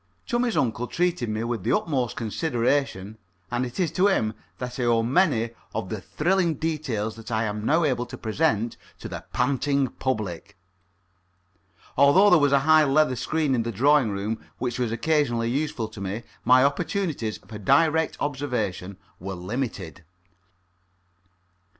Chummie's uncle treated me with the utmost consideration, and it is to him that I owe many of the thrilling details that I am now able to present to the panting public. Although there was a high leather screen in the drawing room which was occasionally useful to me, my opportunities for direct observation were limited.